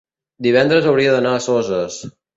divendres hauria d'anar a Soses.